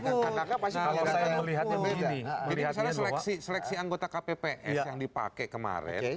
jadi misalnya seleksi anggota kpps yang dipakai kemarin